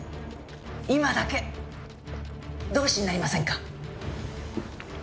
今だけ同志になりませんか？